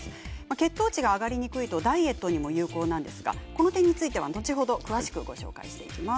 血糖値が上がりにくいとダイエットにも有効なんですがこの点については後ほど詳しくご紹介していきます。